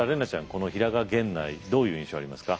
この平賀源内どういう印象ありますか？